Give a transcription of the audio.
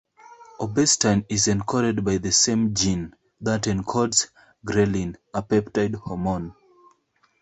Obestatin is encoded by the same gene that encodes ghrelin, a peptide hormone.